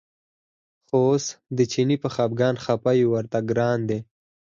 خو اوس د چیني په خپګان خپه یو ورته ګران دی.